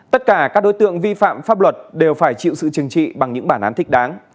tất cả các đối tượng vi phạm pháp luật đều phải chịu sự chừng trị bằng những bản án thích đáng